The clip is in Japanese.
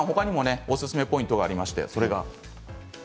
他にもおすすめポイントがあります。